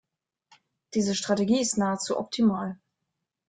Diese Strategie ist nahezu optimal.